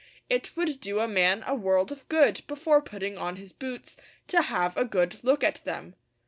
It would do a man a world of good, before putting on his boots, to have a good look at them.